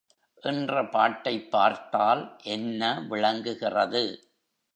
என்ற பாட்டைப் பார்த்தால் என்ன விளங்குகிறது?